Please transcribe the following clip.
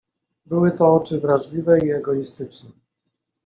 "Były to oczy wrażliwe i egoistyczne."